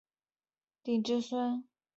工部尚书王舜鼎之孙。